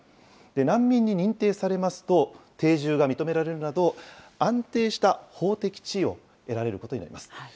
難民に認定されますと、定住が認められるなど、安定した法的地位を得られることになります。